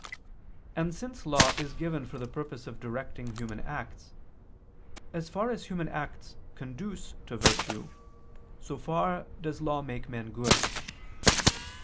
And since law is given for the purpose of directing human acts; as far as human acts conduce to virtue, so far does law make men good.